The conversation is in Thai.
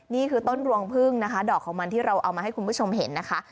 นี่คือต้นรวงพึ่งนะคะดอกของมันที่เราเอามาให้คุณผู้ชมเห็นนะคะ